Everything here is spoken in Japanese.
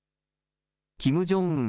キム・ジョンウン